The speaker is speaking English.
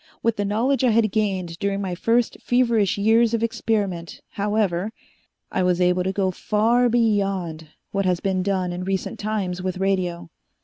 With the knowledge I had gained during my first feverish years of experiment, however, I was able to go far beyond what has been done in recent times with radio.